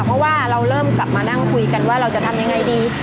เพราะว่าเราเริ่มกลับมานั่งคุยกันว่าเราจะทำยังไงดี